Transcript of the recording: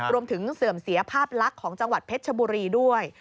เสื่อมเสียภาพลักษณ์ของจังหวัดเพชรชบุรีด้วย